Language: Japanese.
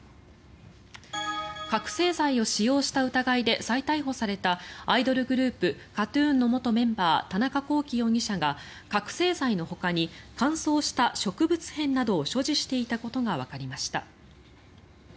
覚醒剤を使用した疑いで再逮捕されたアイドルグループＫＡＴ−ＴＵＮの元メンバー田中聖容疑者が覚醒剤のほかに乾燥した植物片などを所持していたことがわかりました。